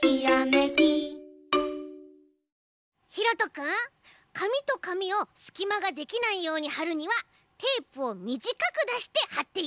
ひろとくんかみとかみをすきまができないようにはるにはテープをみじかくだしてはっていってね！